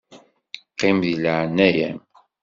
Qqim di leɛnaya-m.